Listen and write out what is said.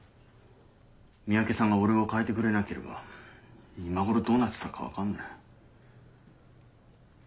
三宅さんが俺を変えてくれなければ今頃どうなってたか分かんない。